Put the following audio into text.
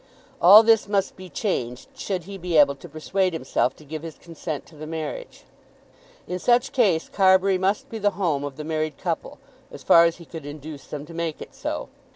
All this must be changed, should he be able to persuade himself to give his consent to the marriage. In such case Carbury must be the home of the married couple, as far as he could induce them to make it so.